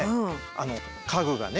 あの家具がね